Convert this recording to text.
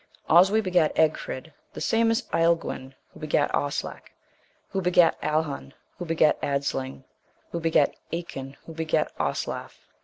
Oswy begat Egfrid, the same is Ailguin, who begat Oslach, sho begat Alhun, who begat Adlsing, who begat Echun, who begat Oslaph.